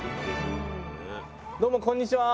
どうもこんにちは！